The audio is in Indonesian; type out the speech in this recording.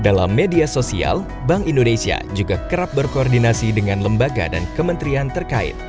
dalam media sosial bank indonesia juga kerap berkoordinasi dengan lembaga dan kementerian terkait